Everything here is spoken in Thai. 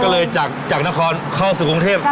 ก็เลยจากนครเข้อไปสุขุมเทพฯ